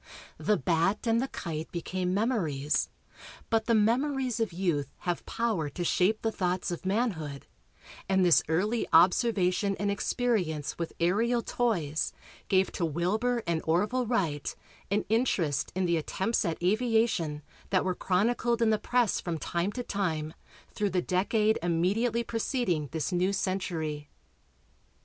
"The bat" and the kite became memories, but the memories of youth have power to shape the thoughts of manhood, and this early observation and experience with aerial toys gave to Wilbur and Orville Wright an interest in the attempts at aviation that were chronicled in the press from time to time through the decade immediately preceding this new century.